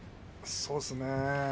そうですね